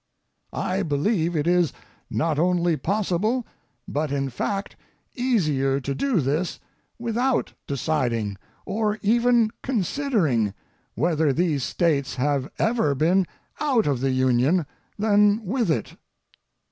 I believe it is not only possible, but in fact, easier to do this, without deciding, or even considering, whether these States have ever been out of the Union, than with it.